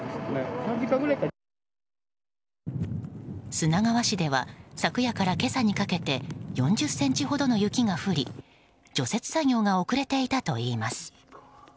砂川市では昨夜から今朝にかけ４０ｃｍほどの雪が降り除雪作業が遅れていたといいます。